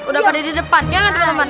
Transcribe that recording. udah pada di depan ya kan temen temen